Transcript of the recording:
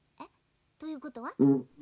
ということは？